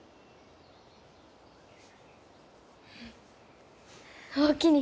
うんおおきに。